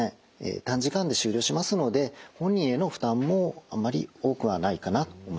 短時間で終了しますので本人への負担もあんまり多くはないかなと思います。